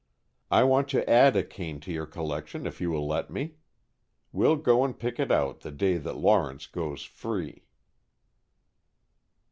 "I want to add a cane to your collection if you will let me. We'll go and pick it out the day that Lawrence goes free!"